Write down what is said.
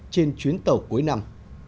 trên chuyến tàu cuối năm